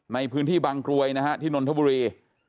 ในพื้นที่บางกรวยนะฮะที่นนทบุรี